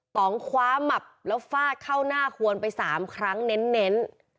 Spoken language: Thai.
ต้องคว้ามับแล้วฟาดเข้าหน้าควรไป๓ครั้งเน้น